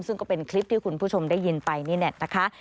ซึ่งก็เป็นคลิปที่คุณผู้ชมได้ยินไปนี่แหละนะคะ